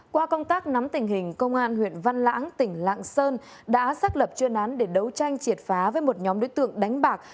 qua công tác nắm tình hình công an huyện văn lãng tỉnh lạng sơn đã xác lập chuyên án để đấu tranh triệt phá với một nhóm đối tượng đánh bạc